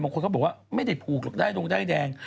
บางคนเขาบอกว่าไม่ได้ผูกหรอกได้ตรงใดแดง